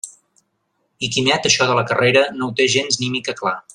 I Quimet això de la carrera no ho té gens ni mica clar.